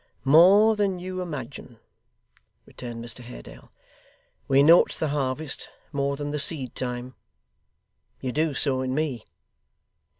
'More than you imagine,' returned Mr Haredale. 'We note the harvest more than the seed time. You do so in me.